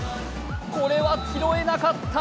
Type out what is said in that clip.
これは拾えなかった。